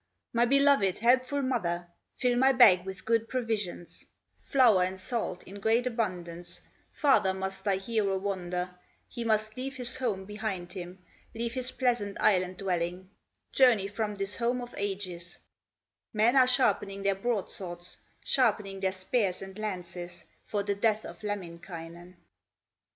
My beloved, helpful mother, Fill my bag with good provisions, Flour and salt in great abundance, Farther must thy hero wander, He must leave his home behind him, Leave his pleasant Island dwelling, Journey from this home of ages; Men are sharpening their broadswords, Sharpening their spears and lances, For the death of Lemminkainen."